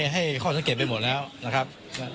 ให้ข้อสังเกตไปหมดแล้วนะครับ